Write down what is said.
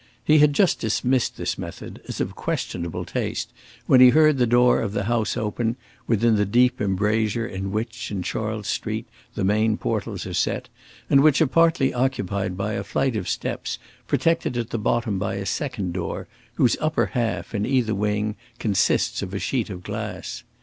He had just dismissed this method, as of questionable taste, when he heard the door of the house open, within the deep embrasure in which, in Charles Street, the main portals are set, and which are partly occupied by a flight of steps protected at the bottom by a second door, whose upper half, in either wing, consists of a sheet of glass.